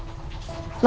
gue percaya kok sama lo